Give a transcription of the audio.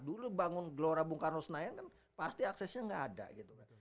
dulu bangun gelora bung karno senayan kan pasti aksesnya nggak ada gitu kan